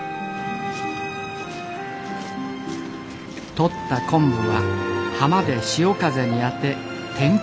とった昆布は浜で潮風に当て天日干し。